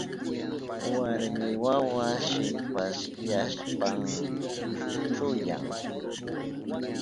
Warmi wawa shipasyashpan chuchuyan.